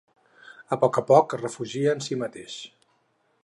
A poc a poc es refugia en si mateix.